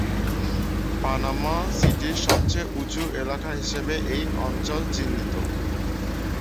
Panama সিটির সবচেয়ে উঁচু এলাকা হিসেবে এই অঞ্চল চিহ্নিত।